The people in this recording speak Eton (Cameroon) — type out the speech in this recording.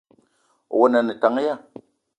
Owono a ne tank ya ?